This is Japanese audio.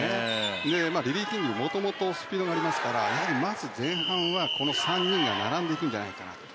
そして、リリー・キングはもともとスピードがありますからやはり、まず前半はこの３人が並んでいくんじゃないかなと。